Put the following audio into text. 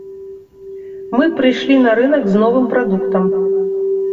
Мы прыйшлі на рынак з новым прадуктам.